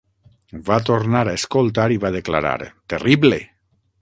Va tornar a escoltar i va declarar "Terrible!".